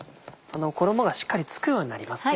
衣がしっかり付くようになりますね。